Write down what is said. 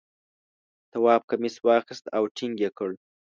تواب کمیس واخیست او ټینګ یې کړ.